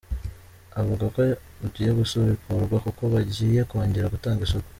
Avuga ko ugiye gusubukurwa kuko bagiye kongera gutanga isoko.